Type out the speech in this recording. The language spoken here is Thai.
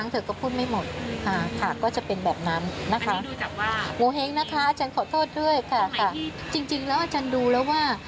โงเห้งนะคะอาจารย์ขอโทษด้วยค่ะจริงแล้วอาจารย์ดูแล้วว่า